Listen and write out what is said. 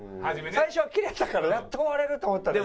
最初はキレたからやっと終われると思ったんだよ。